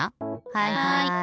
はい！